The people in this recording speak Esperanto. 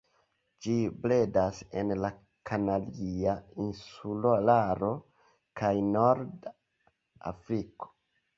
Ĝi bredas en la Kanaria Insularo kaj norda Afriko.